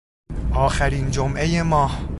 آخرین جمعهی ماه